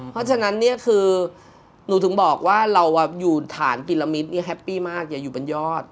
เพราะฉะนั้นเนี่ยคือหนูถึงบอกว่าเราอยู่ฐานกิลมิตแฮปปี้มากอย่าอยู่บนยอด